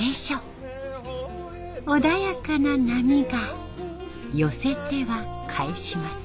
穏やかな波が寄せては返します。